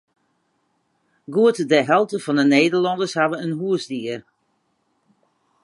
Goed de helte fan de Nederlanners hat in húsdier.